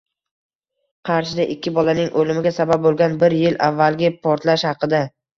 Qarshida ikki bolaning o‘limiga sabab bo‘lgan bir yil avvalgi portlash haqida